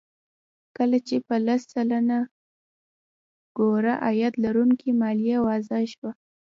کله چې په لس سلنه غوره عاید لرونکو مالیه وضع شوه